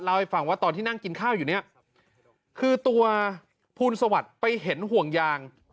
เล่าให้ฟังว่าตอนที่นั่งกินข้าวอยู่เนี่ยคือตัวภูลสวัสดิ์ไปเห็นห่วงยาง